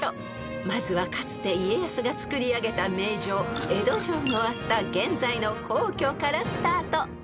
［まずはかつて家康が造り上げた名城江戸城のあった現在の皇居からスタート］